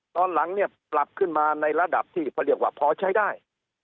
ตอนหลังเนี่ยปรับขึ้นมาในระดับที่เขาเรียกว่าพอใช้ได้